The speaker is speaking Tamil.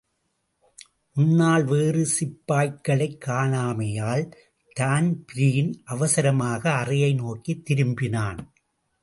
முன்னால் வேறு சிப்பாய்களைக் காணாமையால் தான்பிரீன் அவசரமாக அறையை நோக்கித் திரும்பினான்.